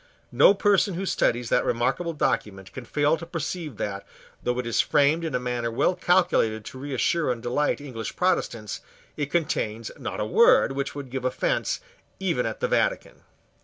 No person who studies that remarkable document can fail to perceive that, though it is framed in a manner well calculated to reassure and delight English Protestants, it contains not a word which could give offence, even at the Vatican.